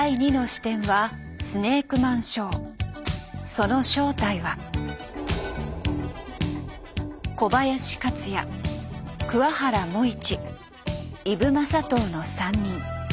その正体は小林克也桑原茂一伊武雅刀の３人。